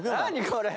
これ。